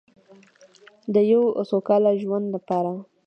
د یو سوکاله ژوند لپاره.